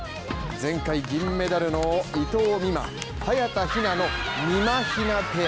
前回銀メダルの伊藤美誠、早田ひなのみまひなペア